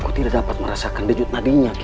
aku tidak dapat merasakan bijut nadinya ki